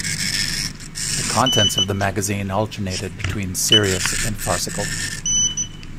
The contents of the magazine alternated between serious and farcical.